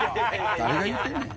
誰に言ってんねん。